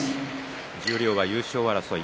十両優勝争い